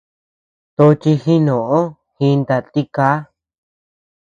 Toch jinoo, jinta tikaa.